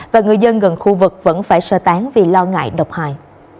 và người dân gần khu vực vẫn phải sơ tán vì lo ngại độc hại